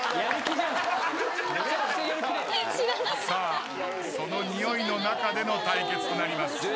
さあそのにおいの中での対決となります。